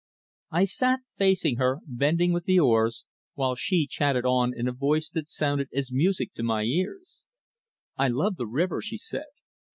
I sat facing her, bending with the oars, while she chatted on in a voice that sounded as music to my ears. "I love the river," she said.